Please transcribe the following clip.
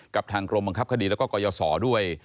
กับทางกรมบังคับคดีแล้วก็กรยศด้วย